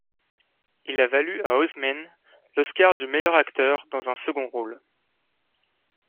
Il a valu à Houseman l'Oscar du meilleur acteur dans un second rôle.